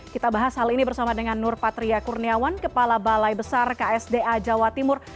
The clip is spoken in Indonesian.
kita bahas hal ini bersama dengan nur patria kurniawan kepala balai besar ksda jawa timur